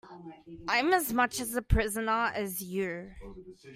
I'm as much a prisoner as you.